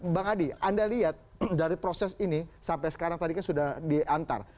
bang adi anda lihat dari proses ini sampai sekarang tadi kan sudah diantar